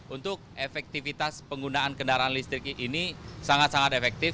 untuk efektivitas penggunaan kendaraan listrik ini sangat sangat efektif